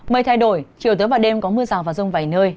mây thay đổi chiều tớp và đêm có mưa rào và rông vầy nơi